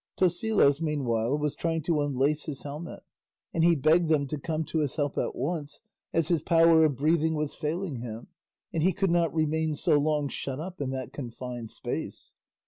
Tosilos meanwhile was trying to unlace his helmet, and he begged them to come to his help at once, as his power of breathing was failing him, and he could not remain so long shut up in that confined space.